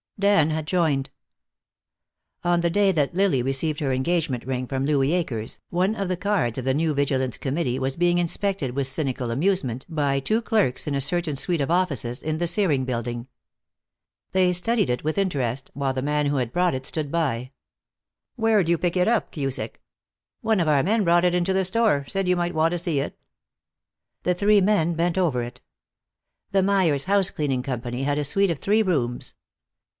Dan had joined. On the day that Lily received her engagement ring from Louis Akers, one of the cards of the new Vigilance Committee was being inspected with cynical amusement by two clerks in a certain suite of offices in the Searing Building. They studied it with interest, while the man who had brought it stood by. "Where'd you pick it up, Cusick?" "One of our men brought it into the store. Said you might want to see it." The three men bent over it. The Myers Housecleaning Company had a suite of three rooms.